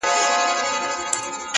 څنگه ټینگ به په خپل منځ کي عدالت کړو!!